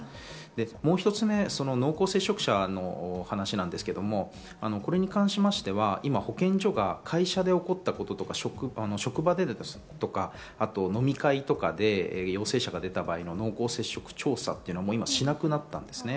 もう一つ目、濃厚接触者の話ですが、これに関しては保健所が今、会社で起こったこと、職場でのこと、飲み会、陽性者が出た場合、濃厚接触調査というのは今しなくなったんですね。